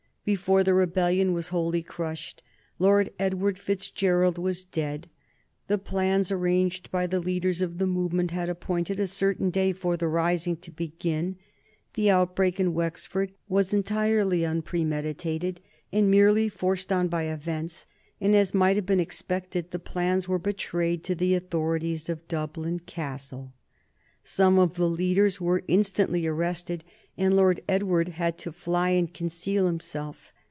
Before the rebellion was wholly crushed Lord Edward Fitzgerald was dead. The plans arranged by the leaders of the movement had appointed a certain day for the rising to begin; the outbreak in Wexford, as has already been shown, was entirely unpremeditated, and merely forced on by events; and, as might have been expected, the plans were betrayed to the authorities of Dublin Castle. Some of the leaders were instantly arrested, and Lord Edward had to fly and conceal himself.